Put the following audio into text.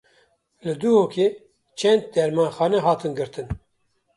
Li Duhokê çend dermanxane hatin girtin.